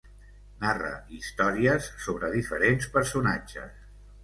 Narra històries sobre diferents personatges.